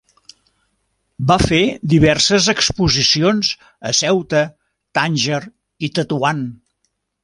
Va fer diverses exposicions a Ceuta, Tànger i Tetuan.